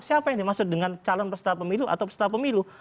siapa yang dimaksud dengan calon peserta pemilu atau peserta pemilu